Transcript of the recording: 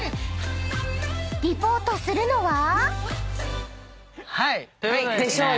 ［リポートするのは］